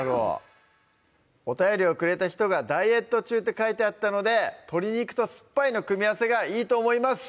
お便りをくれた人が「ダイエット中」って書いてあったので鶏肉と酸っぱいの組み合わせがいいと思います